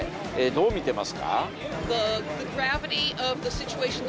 どう見てますか？